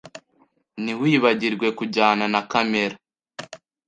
Ntiwibagirwe kujyana na kamera.